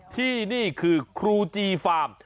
ที่นี่คือครูจีฟาร์ม